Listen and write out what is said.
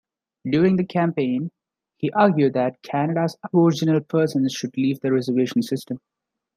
During the campaign, he argued that Canada's aboriginal persons should leave the reservation system.